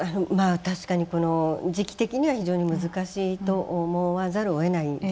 確かにこの時期的には非常に難しいと思わざるをえないです。